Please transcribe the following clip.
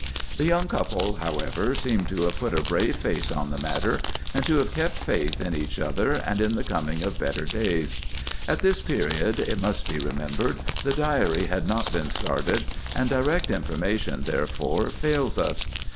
The young couple, however, seem to have put a brave face on the matter, and to have kept faith in each other, and in the coming of better days. At this period, it must be remembered, the Diary had not been started, and direct information, therefore, fails us.